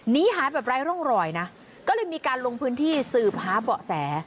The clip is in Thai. หนีหายแบบไร้ร่องรอยนะก็เลยมีการลงพื้นที่สืบหาเบาะแส